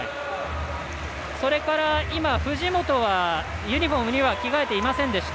それから、藤本はユニフォームには着替えていませんでした。